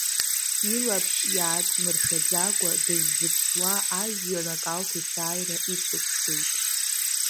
Илаԥш иааҵмыршәаӡакәа дзызԥшуа ажәҩан, акалҭ есааира иҵыкәкәеит.